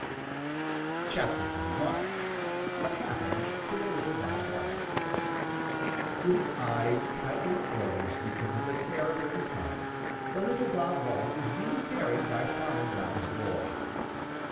XXI. WHAT HAPPENED TO THE LITTLE BOB WHITE |WITH his eyes tightly closed because of the terror in his heart, the little Bob White was being carried by Fanner Brown's boy.